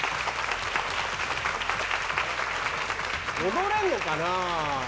踊れるのかな。